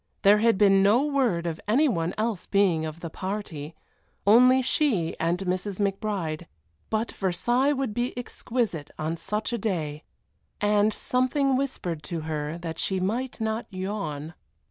There had been no word of any one else being of the party, only she and Mrs. McBride, but Versailles would be exquisite on such a day, and something whispered to her that she might not yawn.